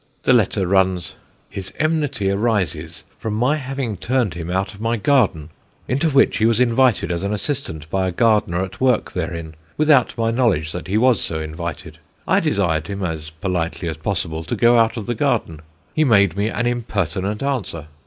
The letter runs: "His enmity arises from my having turned him out of my garden, into which he was invited as an assistant by a gardener at work therein, without my knowledge that he was so invited. I desired him, as politely as possible, to go out of the garden; he made me an impertinent answer.